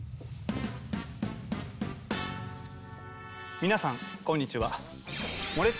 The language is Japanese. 皆さんこんにちは。